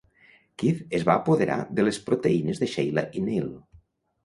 Keith es va apoderar de les proteïnes de Sheila i Neil.